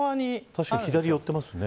確かに左に寄ってますね。